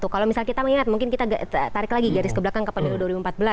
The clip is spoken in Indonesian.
kalau misalnya kita mengingat mungkin kita tarik lagi garis ke belakang ke pemilu dua ribu empat belas